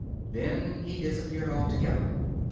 Then he disappeared altogether.